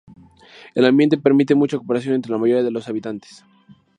El ambiente permite mucha cooperación entre la mayoría de los habitantes.